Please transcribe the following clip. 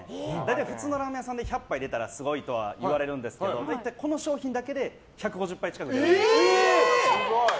普通のラーメン屋さんで１００杯出たらすごいとは言われるんですけどこの商品だけで１５０杯近く。